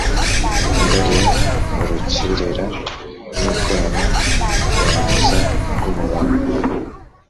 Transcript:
mbariye urukerera nikorana rwamuza rw'umuronko,